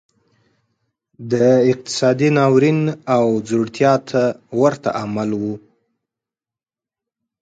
دا اقتصادي ناورین او ځوړتیا ته ورته عمل و.